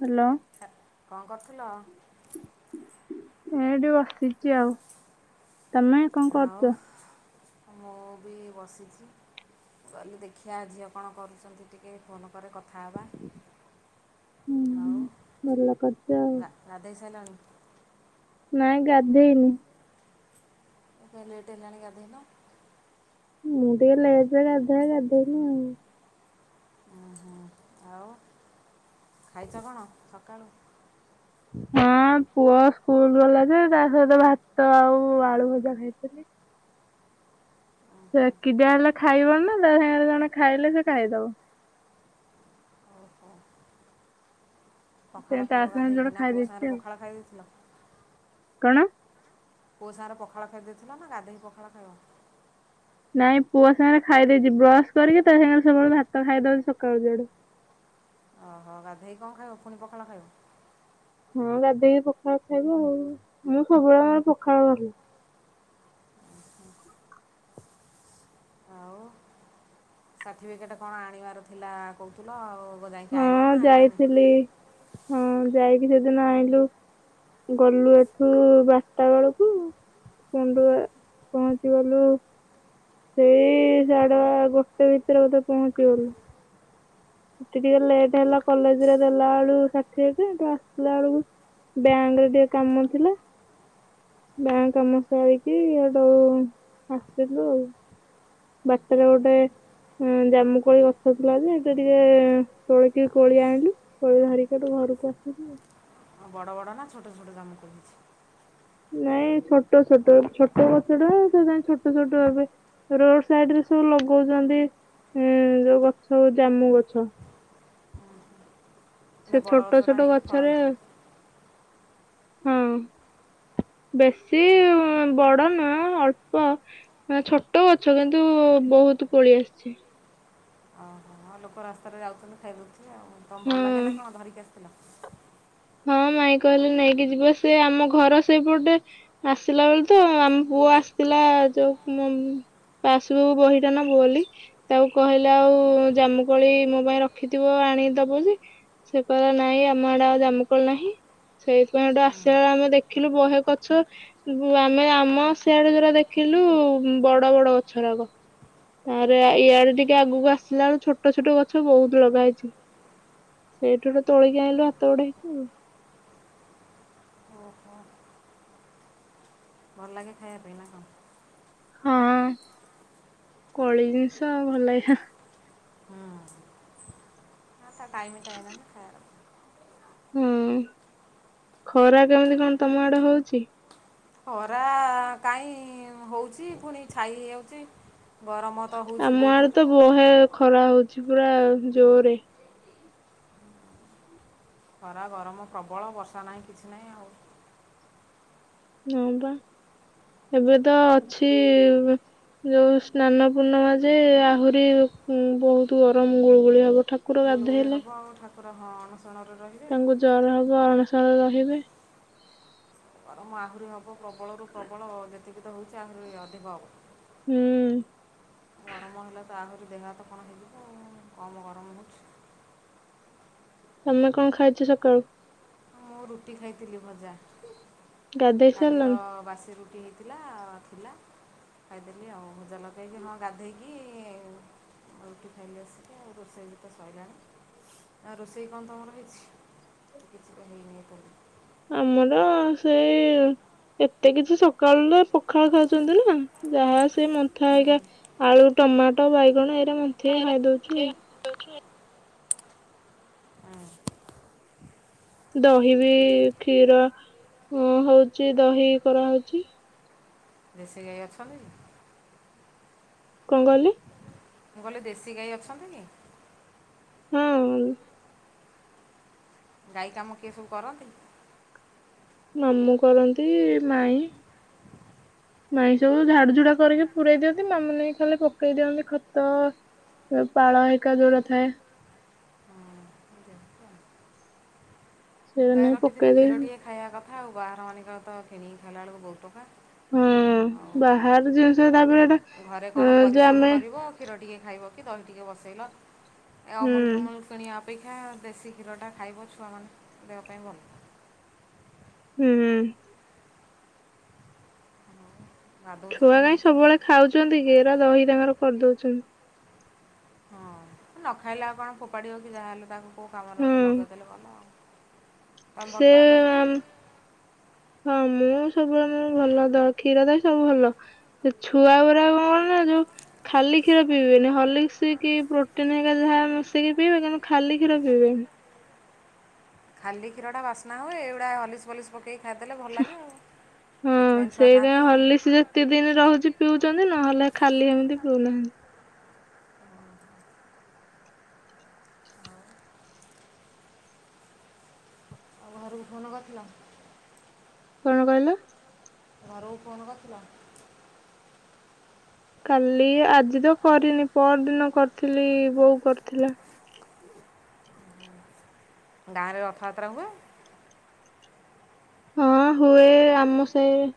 Hello sir କଣ କରୁଥିଲ ଏ ଏଠି ବସିଛି ଆଉ ତମେ ଆଉ ମୁଁ ବି ବସିଛି କହିଲଲି ଦେଖିବା ଝିଅ କଣ କରୁଛନ୍ତି ଟିକେଏ ଫୋନ୍ କରେ କଥା ହେବା ବାଉ ରା ରାଧାେଶଲଣି ନାଇଁ ଗାଧେଇନି ଲେଟ ଏଣି କଦନ ମୁଁ ଟିକେ ଲେଜ ଗାଧ ଗାଧେଇନି ଆଉ ହୁଁ ହୁଁ ଆଉ ଖାଇଛ କଣ ସକାଳୁ ହଁ ପୁଅ ସ୍କୁଲ ଗଲା ଯେ ତା ସହିତ ଭାତ ଆଉ ଆଳୁ ଭଜା ଖାଇଥିଲି ସେ କିିଡିଆ ହେଲେ ଖାଇବ ନା ତା ସାଙ୍ଗରେ ଜଣେ ଖାଇଲେ ସେ ଖାଇଦବ ତ ତା ସାଙ୍ଗ ଯୋଟ ଖାଇଦେଇଛି ଆଉ କଣ କେଉଁ ସାଙ୍ଗରେ ପଖାଳ ଖାଇ ଦେଇେଇଥିଲ ନା ଗାଧୋଇ ପଖାଳ ଖାଇବ ନାଇଁ ପୁଅ ସାଙ୍ଗରେ ଖାଇଦେଇଛି ବ୍ରଶ କରିକି ତା ସାଙ୍ଗରେ ସବୁବେଳେ ଭାତ ଖାଇଦଉଛି ସକାଳୁଆଡୁ ଓହୋ ଗାଧୋଇ କଣ ଖାଇବ ପୁଣି ପଖଳ ଖାଇବ ହଁ ଗାଧୋଇକି ପଖାଳ ଖାଇବ ଆଉ ମୁଁ ସବୁବେଳେ ମୋର ପଖାଳ ଗଲ ଆଉ ସାର୍ଟିଫିକେଟ୍ କଣ ଆଣିବାର ଥିଲା କହୁଥିଲ ଆଉ ଯାଇକି ଆଇଲ ନା ଆଇିଲନି ହଁ ଯାଇକି ସେଦିନ ଆଣିଲୁ ଗଲୁ ଏଠୁ ବାରଟା ବେଳକୁ କୁଠୁ ପହଞ୍ଚି ଗଲୁ ସେଇ ସାଢା ଗସ୍ତେ ଭିତରେ କଥା ପହଞ୍ଚିଗଲୁ ଟିକେ ଲେଟ୍ ହେଲା କଲେଜ ରେ ଦେଲା ବେଳକୁ ାଠିଏୁ ଆସିଲା ବେଳକୁ ବ୍ୟାଙ୍କ ରେ ଟିକେ କାମ ଥିଲା ଗାଁ କାମ ସ ଆାରିକି ଏଡ ଆସଥିଲୁ ଆଉ ବାଟରେ ଗୋଟେ ଜାମୁକୋଳି ଗଛ ଥିଲା ଯେ ଏଟ ଟିକେ ଚଳେଇକି କୋଳି ଆଣିଲୁ କୋଳି ଧରିକି ତୁ ଘରକୁ ଆସିଲୁ ଆଉ ହଁ ବଡ଼ ବଡ଼ ନା ଛୋଟ ଛୋଟ ଦାମ କହୁଛି ନାଇଁ ଛୋଟ ଛୋଟ ଛୋଟ ବ ସେେଟା ସେ ଯାଇ ଛୋଟ ଛୋଟ ଏବେ ରୋଡ ସାଇଡ ରେ ସବୁ ଲଗଉଛନ୍ତି ଉଁ ଯୋଉ ଗଛ ଜାମୁ ଗଛ ହେଟ ବଡ ଗଛ ଟା ହେଇକି ଫଳ ହେଇଥିଲା ହଁ ବେଶୀ ବଡ ନା ଅଳ୍ପ ମାନେ ଛୋଟ ଗଛ କିନ୍ତୁ ବହୁତ ପୋଳି ଆସିଛି ହଁ ଲୋକ ରାସ୍ତାରେ ଯାଉଛନ୍ତି ଖାଇ ଦେଉଛି ଆଉ ତମେ ଭଲ ଲାଗେ ନା କଣ ଧରିକି ଆସିଥିଲ ହଁ ମାଇ କହିଲେ ନେଇକି ଯିବ ସେ ଆମ ଘର ସେପଟେ ଆସିଲା ବେଳେ ତ ଆମ ପୁଅ ଆସିଥିଲା ଯୋଉ ଆସିବ ବହିଟା ନା ଭୁ ବୋଲି ତାକୁ କହିଲା ଆଉ ଜାମୁକଳି ମୋ ପାଇଁ ରଖିଥିବ ଆଣିଦବ ଯେ ସେପ ନାଇଁ ଆମ ଆଡେ ଆଉ ଜାମକଲ ନାହିଁ ସେଇଥିପାଇଁ ଏଠୁ ଆସିଲା ବଳେ ଆମେ ଦେଖିଲୁ ବହେ ଗଛ ଆମେ ଆମ ସେଆଡେ ଯୋଉଟା ଦେଖିଲୁ ବଡ ବଡ ଗଛ ଲଗ ଆରେ ଇଆଡେ ଟିକେ ଆଗକୁ ଆସିଲା ବେ ଛୋଟ ଛୋଟ ଗଛ ବହୁତ ଲଗା ହେଇଛି ସେଇଠୁ ଗୋଟେ ତୋଳିକି ଆଣିଲୁ ହାତ ଗୋଡ ହେଇକି ଆଉ ଓହୋ ଭଲ ଲାଗେ ଖାଇ ପାଇଁିଲ କଣ ହଁ କଳି ଜିନିଷ ଆଉ ଭଲ ହେଇା ହଁସ ଟାଇମ ଟ ଆାଇମମ୍ ଖାର ହୁଁ ଖରା କେମିତି କଣ ତମ ଆଡେ ହଉଛି ଖରା କାହିଁ ହଉଛି ପୁଣି ଛାଇ ହେଇଯାଉଛି ଆମ ଆଡ ତ ବହେ ଖରା ହଉଛି ପୁରା ଜୋରରେ ଖରା ଗରମ ପ୍ରବଳ ବର୍ଷା ନାହିଁ କିଛି ନାହିଁ ଆଉ ହଁ ବା ଏବେ ତ ଅଛି ଯୋଉ ସ୍ନାନ ପୂର୍ଣ୍ଣମା ଯେ ଆହୁରି ଉ ବହୁତ ଗରମ ଗୁଳୁଗୁଳି ହବ ଠାକୁ କଉଳି ହେବ ଆଉ ଠାକୁର ହଁ ଅଣସଣରେ ରହିବ ତାଙ୍କୁ ଜର ହବ ଅଣସଣ ରହିବେ ଗରମ ଆହୁରି ହେବ ପ୍ରବଳରୁ ପ୍ରବଳ ଯେତିକି ତ ହେଉଛି ଆହୁରି ଅଧିକ ହେବ ଗରମ ହେଲେ ତ ଆଘରି ଦେଘା ତ କଣ ହେଇଲି କମ ଗରମ ହେଉଛି ତମେ କଣ ଖାଇଛ ସକାଳୁ ମୁଁ ରୁଟି ଖାଇଥିଲି ଭଜା କାଲିର ବାସି ରଟି ଟି ହେଇଥିଲା ଥିଲା ଖାଇଦେଲି ଆଉ ଭୁଜା ଲଗେଇକି ହଁ ଗାଧୋଇକି ଆଉଠି ଖାଇଲି ଆସି ଆଉ ରୋଷେଇ ବି ତ ସରିଲଣି ଆ ରୋଷେଇ କଣ ତମର କିଛି କିଛିଟା ହେଇନି ତ ଆମର ସେଇ ଏତେ କିଛି ସକାଳ ପଖାଳ ଖାଉଛନ୍ତି ନା ଯାହା ସେ ମନ୍ଥା ଆଜ୍ଞା ଆଳୁ ଟମାଟୋ ବାଇଗଣ ଏଇରେ ମ ର ଦଃଖ ଦହି ବି କ୍ଷୀର ହଉଛି ଦହି କରାହଉଛି ଦେଶୀ ଗାଈ ଅଛଛନ୍ତି କଣ କହିଲି ମୁଁ ଗହିଲେ ଦେଶୀ ଗାଈ ଅଛନ୍ତି କି ହଁ ଗାଈ କାମ କିଏ ସବୁ କରନ୍ତି ମାମଁ କରନ୍ତି ମାଇ [inaudible] ମାଇଁ ସବୁ ଝାଡୁ ଝୁଡା କରିକି ପୁରଇ ଦିଅନ୍ତି ମାମା ଖାଲେ ପକେଇ ଦିଅନ୍ତି ଖତ ପାଳ ଏକା ଦୂର ଥାଏ ହୁଁ ଖ ରଖିଥିଲେ କ୍ଷୀର ଟିକେଏ ଖାଇବା କଥା ଆଉ ବାହାର ମଙ୍କ ତ କିଣିକି ଖାଇଲାବେେଳକୁ ବହୁତ ପ୍ରଙ୍କକାର ହଁ ବାହାର ଜିନିଷ ତାପରେ ଘରେ କଣ ପରିଶ୍ରମ କରିବ କ୍ଷୀର ଟିକେ ଖାଇବ କି ଦଲି ଟିକିେ ବସେଇଲ ଏ ଅମୁଲ ଫମୁଲ କିଣିବା ଅପେକ୍ଷା ଦେଶୀ କ୍ଷୀରଟା ଖାଇବ ଛୁଆମାନେ ଦେହ ପାଇଁ ଭଲ ହୁଁ ଛୁଆ କାାଇଁ ସବୁବେଳେ ଖାଉଛନ୍ତି କିରା ଦହି ତାଙ୍କର କରିଦଉଛନ୍ତି ହଁ ନ ଖାଇଲାଉ କଣ ଫୋପାଡ଼ିବ କି ଯାହାହେଲେ ତାକୁ କେଉଁ କାମରେ ଗୋଟେ ଲଗେଇଦେଲେ ଭଲ ଆଉ ସେ ଆ [inaudible] ହଁ ମୁଁ ସବୁବେଳେ ଭଲ ଦେ କ୍ଷୀର ଦହ ସବୁ ଭଲ ସେ ଛୁଆ ଗୁଡା କଣ ନା ଯୋଉ ଖାଲି କ୍ଷୀର ପିଇବେନି ହଲିସି କି ପ୍ରୋଟିନ ହେ ଯାହାକି ପିଇବେ କିଣୁ ଖାଲି କ୍ଷୀର ପିଇବେନି ଖାଲି କ୍ଷୀରଟା ବାସ୍ନା ହୁଏ ଏଗୁାଲିସ୍ ପଲିସସ୍ ପକି ଖାଇଦେଲେ ଭଲ ଲାଗେ ଆଉ ସେଥିପାଇଁ ଛୁଆ ଖାଆନ୍ତି ଆଉ ପ୍ରତି ଦିନ ରହୁଛି ପିଉଛନ୍ତି ନହେଲେ ଖାଲି ଏମିତି ପିଉନାହାନ୍ତି ଆଉ ଘରକୁ ଫୋନ୍ କରିଥିଲା କଣ କହିଲ ତମରୋ ଫୋନ କରିଥିଲ କାଲି ଆଜି ତ କରିନି ପର ଦିନ କରିଥିଲି ବୋଉ କରିଥିଲା ଗାଁରେ ରଥଯାତ୍ରା ହୁଏ ହଁ ହୁଏ ଆମ ସେହି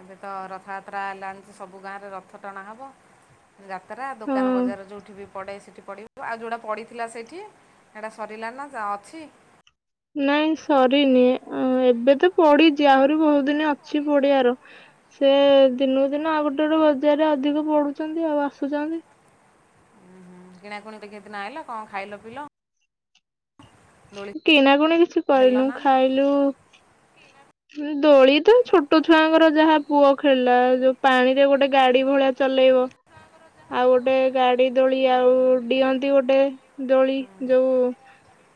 ଏବେ ତ ରଥଯାତ୍ରା ହେଲାଣି ଯେ ସବୁ ଗାଁରେ ରଥ ଟଣା ହେବ। ଯାତ୍ରା ଦୋକାନ ବଜାର ଯେଉଁଠି ବି ପଢ଼େ ସେଇଠି ପଢ଼ିବୁ ଆଉ ଯେଉଁଟା ପଡ଼ିଥିଲା ସେଇଠି ସେଇଟା ସରିଲା ନା ଯ ଅଛି। ନାଇଁ ସରିନି ଏବେ ତ ପଡିଛି ଆହୁରି ବହୁତ ଦିନ ଅଛି ପଡିଆାର। ସେ ଦିନକୁ ଦିନ ଆଉ ଗୋଟେ ଗୋଟେ ବଜାରରେ ଅଧିକ ପଡୁଛନ୍ତି ଆଉ ଆସୁଛନ୍ତି। ଉୁଁ ହୁ କିଣାକୁଣି ତ କେମତିହିଲଲା କଣ ଖାଇଲ ପିିଲ। କିନା କୁଣି କିଛି କରିନୁ ଖାଇଲୁ [inaudible] ଦୋଳି ତ ଛୋଟ ଛୁଆଙ୍କର ଯାହା ପୁଅ ଖେଳିଲା ଯୋଉ ପାଣି ରେ ଗୋଟେ ଗାଡି ଭଳିଆ ଚଲେଇବ। ଆଉ ଗୋଟେ ଗାଡି ଦୋଳି ଆଉ ଡିଅନ୍ତି ଗୋଟେ ଦୋଳି ଯୋଉ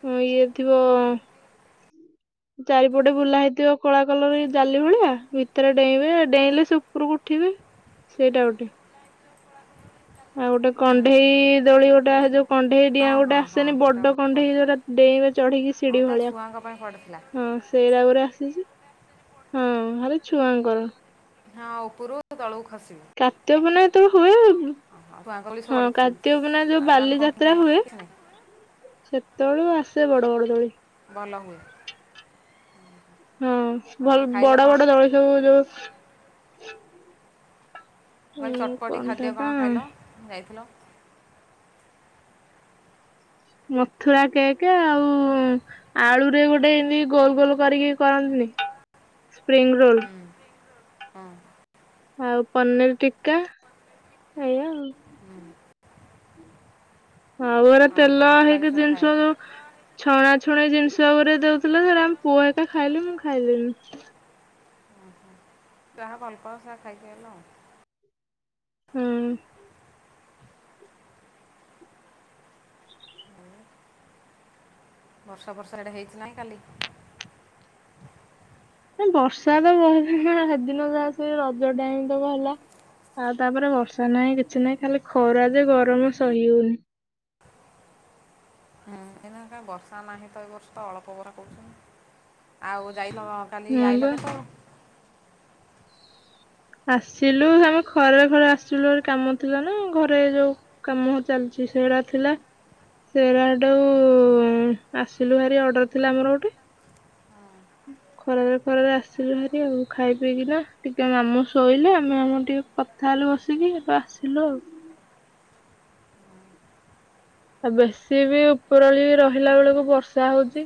ହ ଇଏ ଥିବ ଚାରିପଟେ ବୁଲା ହେଇଥିବ କଳା କଲର ଜାଲି ଭଳିଆ ଭିତରେ ଡେଇଁବେ ଆ ଡେଇଁଲେ ସେ ଉପରକୁ ଉଠିବେ। ସେଇଟା ଗୋଟେ। ଆଉ ଗୋଟେ କଣ୍ଢେଇ ଦୋଳି ଗୋଟେଉ କଣ୍ଢେଇ ଡିଆଁ ଗୋଟେ ଆସେନି ବଡ କଣ୍ଢେଇ ଯଟା ଡେଇଁବା ଚଢିକି ସିଢି ଭଳିଆ ହଁ। ସେଇଟା ଉପରେ ଆସିଛି। ହଁ ଆରେ ଛୁଆଙ୍କର। ହଁ ଉପରୁ ତଳକୁ ଖସିବି। କାତ୍ୟ ବନା ତ ହୁଏ ଆଉ ହଁ କାର୍ତ୍ତିବନା ଯୋଉ ବାଲି ଯାତ୍ରା ହୁଏ ସେତେବେଳୁ ଆସେ ବଡ ବଡ ଦୋଳି। ଭଲ ହୁଏ। ହଁ ଭଲ ବଡ ବଡ ଦଳ ସବୁ ଯୋଉ କହିଲେ ଚଟପଟି ଖାଦ୍ୟ କଣ ଖାଇଲ ଯାଇଥିଲ। ମଥୁରା କେକ୍ ଆଉ ଆଳୁରେ ଗୋଟେ ଏମିତି ଗୋଲ ଗୋଲ କରିକି କରନ୍ତିନି ସ୍ପ୍ରିଙ୍ଗ ରୋଲ। ଆଉ ପନିର ଟକା ଏଇାଉ। ହଁ ଘର ତେଲ ହେଇକ ଜିନିଷଉ ଛଣା ଛଣା ଜିନିଷ ଗୋରେ ଦଉଥିଲା ଧର ଆମ ପୁଅ ଏକା ଖାଇଲି ମୁଁ ଖାଇଲିନି। ଯାହା ଭଲ ପା ସେହା ଖାଇକି ହେଲ। ହଁ। ବର୍ଷ ବର୍ଷ ଏଇଟେ ହେଇଥିଲା ନାହିଁ କାଲି। ବର୍ଷା ତ ବହିଲ ସେଦିନ ଯାସ ରଜ ଟାଇମ ତକ ହେଲା। ଆଉ ତାପରେ ବର୍ଷା ନାହିଁ କିଛି ନାହିଁ ଖାଲି ଖରା ଯେ ଗରମ ସହି ହଉନି। ହୁଁ ଏଇ କ ବର୍ଷା ନାହିଁ ତ ଏ ବର୍ଷ ତ ଅଳ୍ପ ବରା କରୁଛ। ଉ ଯାଇଲ କାଲି ଆଇଲ କେତେବେଳୁ? ଆସିଲୁ ଆମେ ଖରେ ଖରେ ଆସିଲୁ ଗଟେ କାମ ଥିଲା ନା ଘରେ ଯୋଉ କାମ ଚାଲିଛି ସେଗଡା ଥିଲା। ସେରାଟାଉ ଆସିଲୁ ଭାରି ଅର୍ଡ଼ର ଥିଲା ଆମର ଗୋଟେ। ଖରାରେ ଖରାରେ ଆସିଲୁ ଭାରି ଆଉ ଖାଇ ପିଇକିନା ଟିକେ ମାମୁଁ ଶୋଇଲେ ଆମେ ଆମର ଟିକେ ତାହେଲେ ବସିକି ଆସିଲୁ ଆଉ। ଆଉ ବେଶୀ ବି ଉପରଳି ରହିଲା ବେଳକୁ ବର୍ଷା ହଉଛି।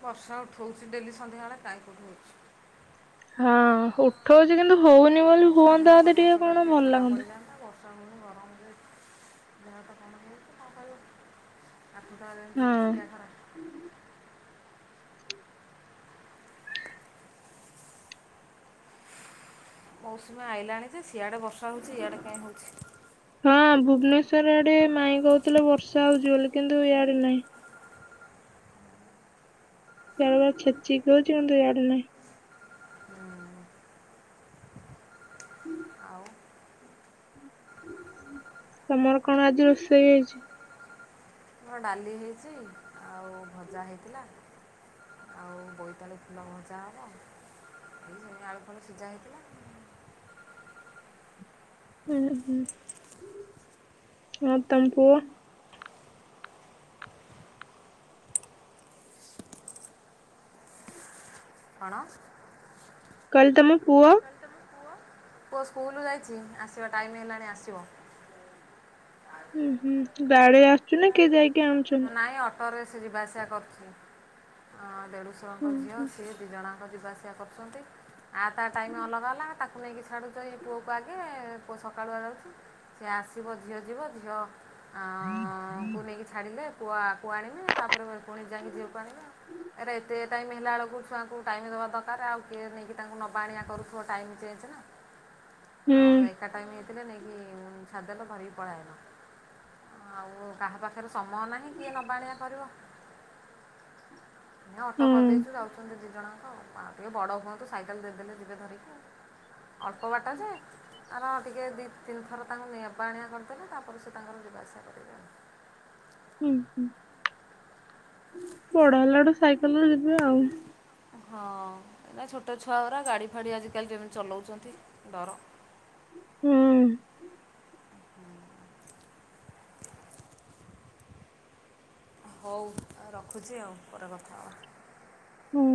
ବର୍ଷା ଉଠଉଛି ଡେଲି ସନ୍ଧ୍ୟାବେଳେ କାଁ କେଁଠୁ ହେଉଛି। ହଁ ଉଠଉଛି କିନ୍ତୁ ହଉନି ବୋଲି ହୁଅନ୍ତା ଆଦେ ଟିକେ କଣ ଭଲ ଲାଗନ୍ତା। ଗରମ ଜେ। ଦେହ ତ କଣ ହେଉଛି କଣ କରିବ। ଆଠ ତା ଜିଖଛିିକିଆ ଖରା। ମୌସୁମୀ ଆଇଲାଣି ଯେ ସିଆଡ଼େ ବର୍ଷା ହେଉଛି ଇଆଡ଼େ କାଁ ହେଉଛି। ହଁ ଭୁବନେଶ୍ୱର ଆଡେ ମାଇଁ କହୁଥିଲେ ବର୍ଷା ହଉଛି ବୋଲି କିନ୍ତୁ ଇଆଡେ ନାହିଁ। ସିଆଡେ ଛେଚିକି ଅଉଛି କିନ୍ତୁ ଏଆଡେ ନାହିଁ। ତମର କଣ ଆଜି ରୋଷେଇ ହେଇଛି? ମୋର ଡାଲି ହେଇଛି ଆଉ ଭଜା ହେଇଥିଲା। ଆଉ ବୋଇତାଳୁ ଫୁଲ ଭଜା ହେଲା ଏ ସେ ଆଳୁ ଫାଳୁ ସିଝା ହେଇଥିଲା। ହୁଁ ହୁଁ ଆଉ ତମ ପୁଅ? କଣ? କହିଲି ତମ ପୁଅ? ପୁଅ ସ୍କୁଲ ଯାଇଛି ଆସିବା ଟାଇମ ହେଲାଣି ଆସିବ। ହୁଁ ହୁଁ ଗାଡିରେ ଆସୁଛି ନା କିଏ ଯାଇକି ନାଇଁ ଅଟୋରେ ସେ ଯିବାଆସିବା କରୁଛି। ଆଁ ଦେଢ଼ଶୁରଙ୍କ ଝିଅ ସିଏ ଦୁଇ ଜଣଯାଙ୍କ ଯିବାଆସିବା କରୁଛନ୍ତି। ଆ ତା ଟାଇମ ଅଲଗା ହେଲା। ତାକୁ ନେଇକି ଛାଡୁଛି ପୁଅକୁ ଆଗେ ପୁଅ ସକାଳୁଆ ଯାଉଛି। ସେ ଆସିବ ଝିଅ ଯିବ ଝିଅ କୁ ନେଇକି ଛାଡ଼ିଲେ ପୁଅକୁ ଆଣିବେ ତାପରେ ପୁଣି ଯାଇକି ଝିଅକୁ ଆଣିବେ ଆଉ। ଏରା ଏତେ ଟାଇମ ହେଲାବେଳକୁ ଛୁଆଙ୍କୁ ଟାଇମ ଦେବା ଦରକାର ଆଉ କିଏ ନେଇକି ତାଙ୍କୁ ନବା ଆଣିବା କରୁଥିବ ଟାଇମ ଚେଞ୍ଜ ନା। ଆଉ ଏକା ଟାଇମ ଥିଲେ ନେଇକି ଛାଡ଼ିଦେଲ ଧରିକି ପଳେଇ ଆଇଲ, ଆଉ କାହା ପାଖରେ ସମୟ ନାହିଁ କିଏ ନବା ଆଣିବା କରିବ। ଏଇ ଅଟୋ କରିଦେଇଛୁ ଯାଉଛନ୍ତି ଦୁଇ ଜଣ ଯାକ ଆଉ। ଆ ଟିକେ ବଡ଼ ହୁଅନ୍ତୁ ସାଇକଲ ଦେଇଦେଲେ ଯିବେ ଧରିକି ଆଉ। ଅଳ୍ପ ବାଟ ଯେ କାରଣ ଟିକେ ଦୁଇ ତିନି ଥର ତାଙ୍କୁ ନେବା ଆଣିବା କରିଦେଲେ, ତାପରେ ସେ ତାଙ୍କର ଯିବା ଆସିବା କରିବେ ଆଉ। ହୁଁ ହୁଁ ବଡ ହେଲା ଠୁ ସାଇକେଲରେ ଯିବେ ଆଉ। ହଁ ନା ଛୋଟ ଛୁଆ ଗୁରା ଗାଡ଼ି ଫାଡ଼ି ଆଜିକାଲି ଯେମିତି ଚଲାଉଛନ୍ତି ଡର ହୁଁ। ହୁଁ ହୋଉ ରଖୁଛି ଆଉ ପରେ କଥା ହେବା। ହୁଁ।